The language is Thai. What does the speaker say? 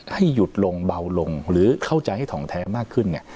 ให้หยุดลงเบาลงหรือเข้าใจให้ถ่องแท้มากขึ้นเนี่ย